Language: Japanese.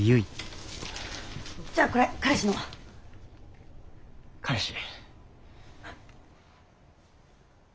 じゃあこれ彼氏の。彼氏。